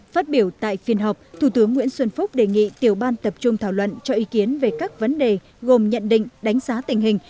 phát biểu tại phiên họp thủ tướng nguyễn xuân phúc đề nghị tiểu ban tập trung thảo luận cho ý kiến về các vấn đề gồm nhận định đánh giá tình hình